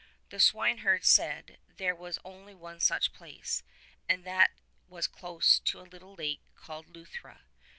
The swineherd said there was only one such place, and that was close to a little lake called Luthra.